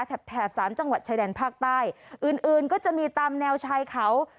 แถบสามจังหวัดชายแดนภาคใต้อื่นอื่นก็จะมีตามแนวชายเขา